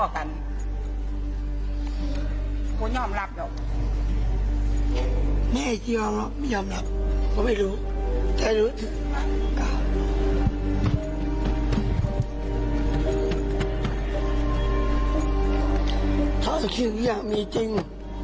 ถ้าคิดอยากมีจริง